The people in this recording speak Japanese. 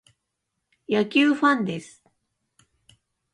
野球ファンです。